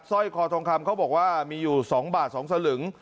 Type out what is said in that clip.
ร้อยคอทองคำเขาบอกว่ามีอยู่๒บาท๒สลึง